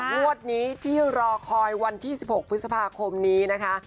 งวดนี้ที่รอคอยวันที่๑๖พฤษภาคมนี้นะคะ